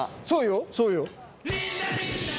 そうよそうよ。